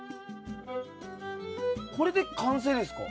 これで完成ですか？